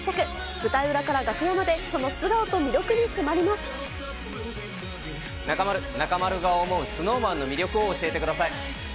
舞台裏から楽屋まで、その素顔と中丸、中丸が思うＳｎｏｗＭａｎの魅力を教えてください。